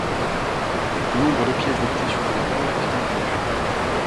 Le nombre de pièces d'habitation de l'étage est inconnu.